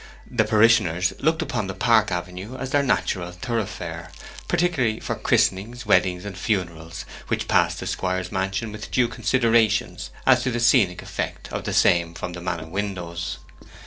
The parishioners looked upon the park avenue as their natural thoroughfare, particularly for christenings, weddings, and funerals, which passed the squire's mansion with due considerations as to the scenic effect of the same from the manor windows.